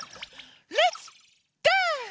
レッツダンス！